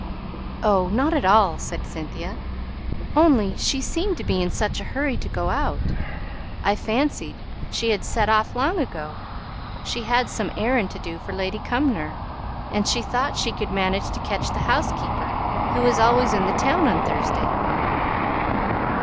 "Oh, not at all!" said Cynthia. "Only she seemed to be in such a hurry to go out, I fancied she had set off long ago. She had some errand to do for Lady Cumnor, and she thought she could manage to catch the housekeeper, who is always in the town on Thursday."